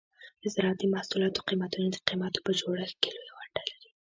د زراعتي محصولاتو قیمتونه د قیمتونو په جوړښت کې لویه ونډه لري.